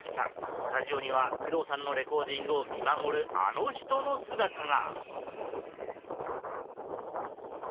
スタジオには工藤さんのレコーディングを見守るあの人の姿が。